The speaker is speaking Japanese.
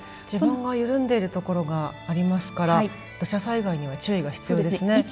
地盤が緩んでいる所がありますから土砂災害には注意が必要ですね。